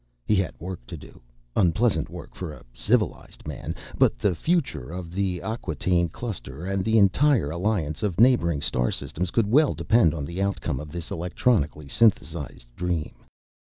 He had work to do. Unpleasant work for a civilized man, but the future of the Acquataine Cluster and the entire alliance of neighboring star systems could well depend on the outcome of this electronically synthesized dream.